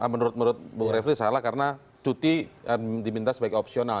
menurut menurut bung refli salah karena cuti diminta sebagai opsional